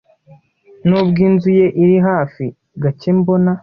Nubwo inzu ye iri hafi, gake mbona.